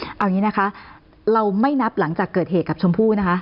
เอาอย่างนี้นะคะเราไม่นับหลังจากเกิดเหตุกับชมพู่นะคะ